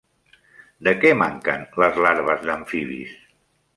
De què manquen les larves d'amfibis?